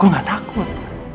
gua gak takut